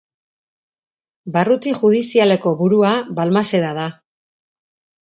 Barruti judizialeko burua Balmaseda da.